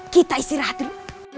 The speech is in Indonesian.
kita istirahat dulu